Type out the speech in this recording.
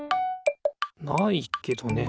ないけどね。